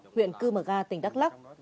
huyện cư mở ga tỉnh đắk lắc